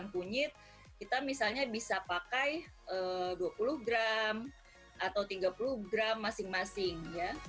kita misalnya bisa pakai dua puluh gram atau tiga puluh gram masing masing